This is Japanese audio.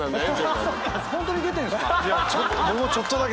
ホントに出てんすか？